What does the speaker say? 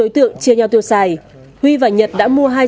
tổng trị giá là hai cây